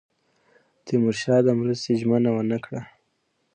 تیمورشاه د مرستې ژمنه ونه کړه.